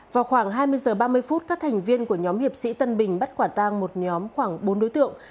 vào khoảng hai mươi h ba mươi phút các thành viên của nhóm hiệp sĩ tân bình bắt quả tang một nhóm khoảng bốn đối tượng